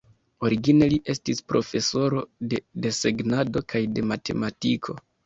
Origine li estis profesoro de desegnado kaj de matematiko.